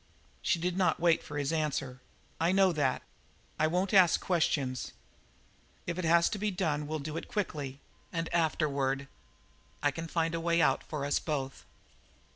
She did not wait for his answer. "I know that. I won't ask questions. If it has to be done we'll do it quickly; and afterward I can find a way out for us both."